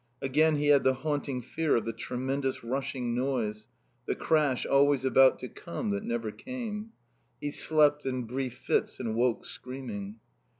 Again he had the haunting fear of the tremendous rushing noise, the crash always about to come that never came. He slept in brief fits and woke screaming.